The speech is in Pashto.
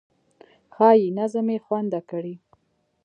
ښایي نظم بې خونده کړي.